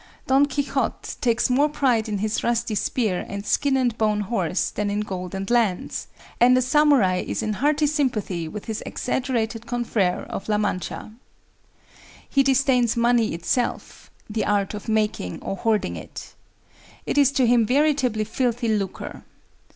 Don Quixote takes more pride in his rusty spear and skin and bone horse than in gold and lands, and a samurai is in hearty sympathy with his exaggerated confrère of La Mancha. He disdains money itself,—the art of making or hoarding it. It is to him veritably filthy lucre.